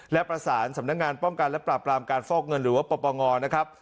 และประสานสำนักงานป้องกันและปราบรามการฟอกเงินหรือว่าปปงนะครับ